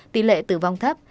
tỷ lệ tử vong thấp